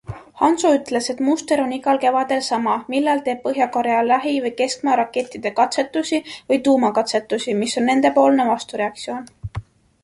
Hanso ütles, et muster on igal kevadel sama, millal teeb Põhja-Korea lähi- või keskmaa rakettide katsetusi või tuumakatsetusi, mis on nendepoolne vastureaktsioon.